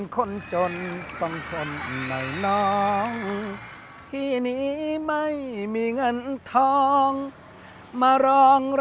คุณอ่อนครับคุณอ่อนอยู่ไหน